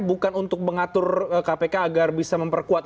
bukan untuk mengatur kpk agar bisa memperkuat